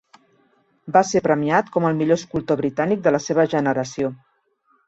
Va ser premiat com el millor escultor britànic de la seva generació.